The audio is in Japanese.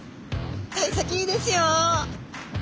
さい先いいですよ！